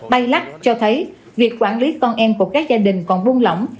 bay lắc cho tình trạng giấy trẻ sử dụng